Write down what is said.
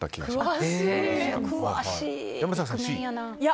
詳しい！